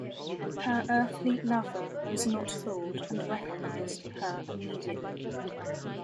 Her earthly lover was not fooled and recognized her immediately.